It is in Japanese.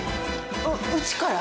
ううちから？